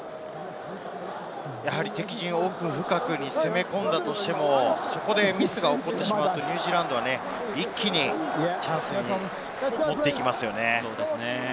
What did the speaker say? やはり敵陣奥深くに攻め込んだとしても、そこでミスが起こってしまうと、ニュージーランドは一気にチャンスに持っていきますよね。